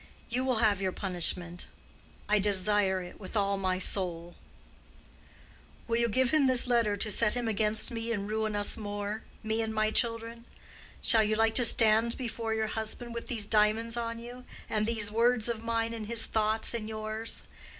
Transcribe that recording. You will have your punishment. I desire it with all my soul. Will you give him this letter to set him against me and ruin us more—me and my children? Shall you like to stand before your husband with these diamonds on you, and these words of mine in his thoughts and yours?